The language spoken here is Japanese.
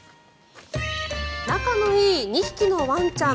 仲のいい２匹のワンちゃん。